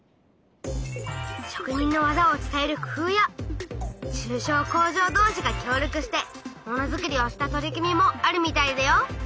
職人の技を伝える工夫や中小工場同士が協力して物作りをした取り組みもあるみたいだよ！